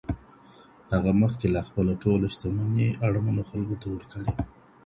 هغه مخکي لا خپله ټوله شتمني اړمنو خلګو ته ورکړې وه.